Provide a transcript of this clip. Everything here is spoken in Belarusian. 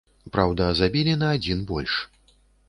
Праўда, забілі на адзін больш.